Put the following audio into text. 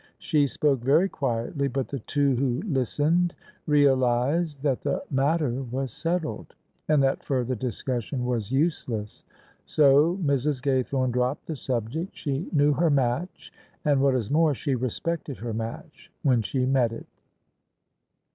She spoke very quietly, but the two who listened realised that the matter was settled and that further discussion was useless. So Mrs. Gaythorne dropped the subject. She knew her match — and, what is more, she respected her match — ^when she met it.